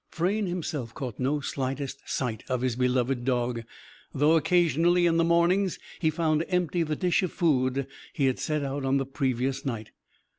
Frayne, himself, caught no slightest sight of his beloved dog; though, occasionally, in the mornings, he found empty the dish of food he had set out on the previous night.